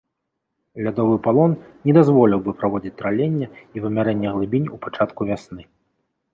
Лядовы палон не дазволіў бы праводзіць траленне і вымярэнне глыбінь у пачатку вясны.